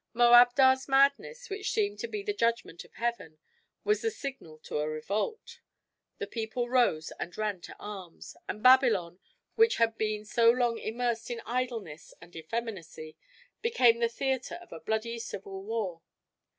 "Moabdar's madness, which seemed to be the judgment of Heaven, was the signal to a revolt. The people rose and ran to arms; and Babylon, which had been so long immersed in idleness and effeminacy, became the theater of a bloody civil war.